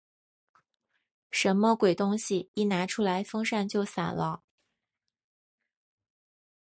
什么鬼东西？一拿出来风扇就散了。